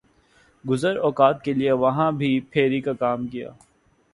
گزر اوقات کیلئے وہاں بھی پھیر ی کاکام کیا۔